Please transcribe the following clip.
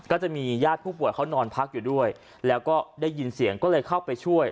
ก็จะมีญาติผู้ป่วยเขานอนพักอยู่ด้วยแล้วก็ได้ยินเสียงก็เลยเข้าไปช่วย